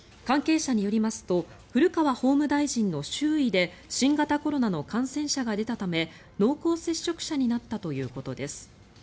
関係者によりますと古川法務大臣の周囲で新型コロナの感染者が出たため濃厚接触者になったということです。